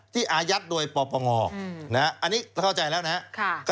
อายัดโดยปปงอันนี้เข้าใจแล้วนะครับ